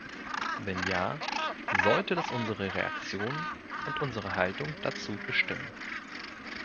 Wenn ja, sollte das unsere Reaktionen und unsere Haltung dazu bestimmen.